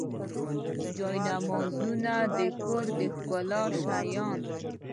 جانمازونه د کور د ښکلا شیان.